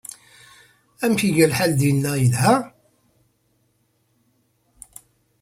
Amek ay iga lḥal dinna? Yelha.